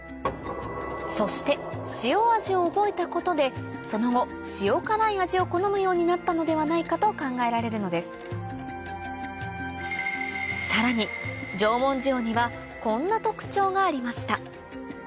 そして塩味を覚えたことでその後塩辛い味を好むようになったのではないかと考えられるのですさらに縄文塩にはこんな特徴がありました